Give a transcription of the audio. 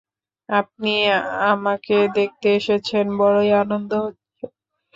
আপনি আমাকে দেখতে এসেছেন, বড়ই আনন্দ হচ্ছে।